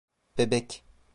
Bebek.